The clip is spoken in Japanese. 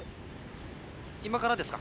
今からですか？